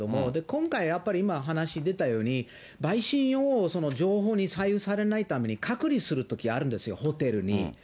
今回やっぱり、今、話出たように、陪審員を情報に左右されないために、隔離するときあるんですよ、ホテルに。